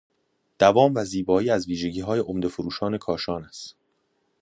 دوام و زیبایی از ویژگیهای عمدهی فرش کاشان است.